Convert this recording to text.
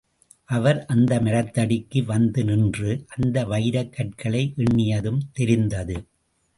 அவர் அந்த மரத்தடிக்கு வந்து நின்று, அந்த வைரக் கற்களை எண்ணியதும் தெரிந்தது.